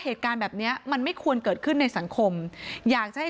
เหตุการณ์แบบเนี้ยมันไม่ควรเกิดขึ้นในสังคมอยากจะให้